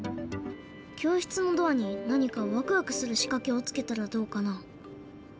教室のドアに何かワクワクするしかけをつけたらどうかな？